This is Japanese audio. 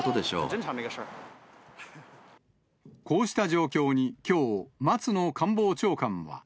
こうした状況にきょう、松野官房長官は。